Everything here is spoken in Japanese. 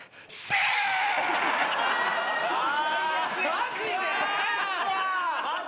マジで！？